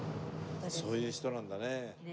そういう人なんだね。